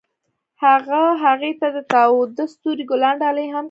هغه هغې ته د تاوده ستوري ګلان ډالۍ هم کړل.